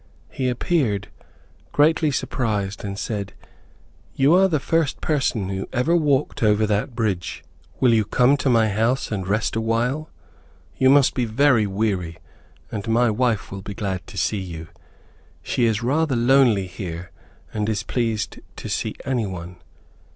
He appeared greatly surprised, and said, "You are the first person who ever walked over that bridge. Will you come to my house and rest awhile? You must be very weary, and my wife will be glad to see you. She is rather lonely here, and is pleased to see any one.